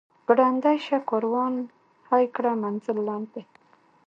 ګړندی شه کاروان هی کړه منزل لنډ دی.